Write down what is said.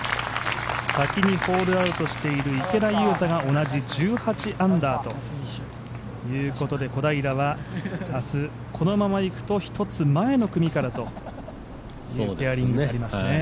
先にホールアウトしている池田勇太が同じ１８アンダーということで小平は明日、このままいくと１つ前の組からというペアリングでありますね。